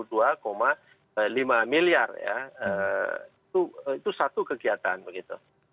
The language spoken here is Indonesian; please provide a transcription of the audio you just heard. itu satu kegiatan begitu